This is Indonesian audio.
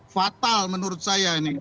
fatal menurut saya ini